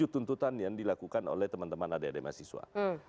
tujuh tuntutan yang dilakukan oleh teman teman adik adik mahasiswa